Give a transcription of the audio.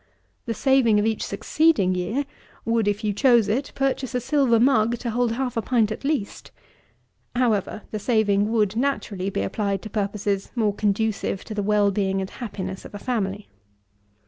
The saving of each succeeding year would, if you chose it, purchase a silver mug to hold half a pint at least. However, the saving would naturally be applied to purposes more conducive to the well being and happiness of a family.